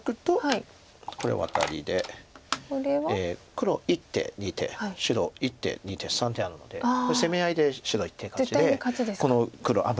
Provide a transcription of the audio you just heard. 黒１手２手白１手２手３手あるのでこれ攻め合いで白１手勝ちでこの黒危ないです。